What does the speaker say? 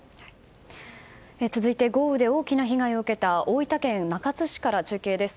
続いて豪雨で大きな被害を受けた大分県中津市から中継です。